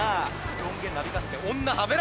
ロン毛なびかせて女はべらせて。